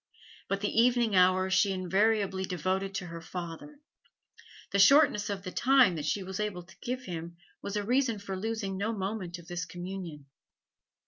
But the evening hours she invariably devoted to her father; the shortness of the time that she was able to give him was a reason for losing no moment of this communion.